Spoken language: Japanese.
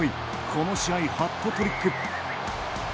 この試合、ハットトリック。